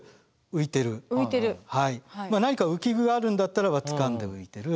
何か浮き具があるんだったらばつかんで浮いてる。